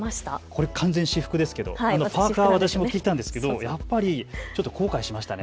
これ、完全に私服ですけれどもパーカー着てきたんですけれどもやっぱりちょっと後悔しました。